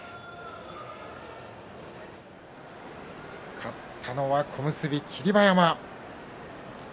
勝ったのは小結霧馬山。